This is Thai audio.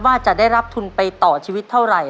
ว่าจะได้รับทุนไปต่อชีวิตเท่าไหร่